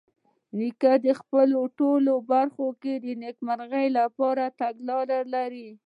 نیکه د خپل ژوند په ټولو برخو کې د نیکمرغۍ لپاره تګلاره لري.